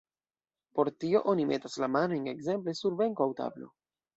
Por tio oni metas la manojn ekzemple sur benko aŭ tablo.